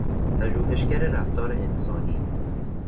پژوهشگر رفتار انسانی